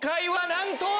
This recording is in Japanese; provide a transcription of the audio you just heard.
なんと？